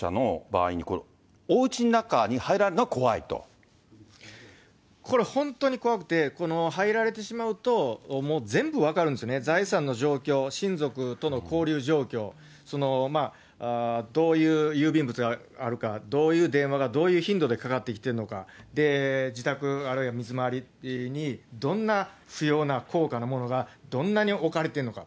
それからやっぱり、悪い業者の場合に、おうちの中に入られるこれ、本当に怖くて、入られてしまうと、もう全部分かるんですね、財産の状況、親族との交流状況、どういう郵便物があるか、どういう電話が、どういう頻度でかかってきているのか、自宅あるいは水周りにどんな高価なものが、どんなに置かれているのか。